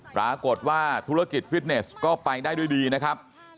ปรากฏว่าธุรกิจฟิตเนสก็ไปได้ด้วยดีนะครับ